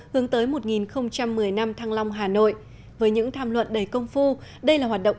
hướng tới một nghìn một mươi năm thăng long hà nội với những tham luận đầy công phu đây là hoạt động